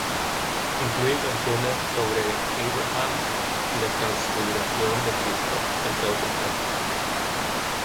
Incluye canciones sobre Abraham y la Transfiguración de Cristo, entre otros temas.